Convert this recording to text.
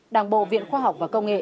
đảng bộ viện khoa học và công nghệ